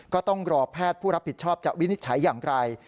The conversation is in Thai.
ก็ต้องรอแพทย์ผู้รับผิดชอบจะวินิจฉัยอย่างไร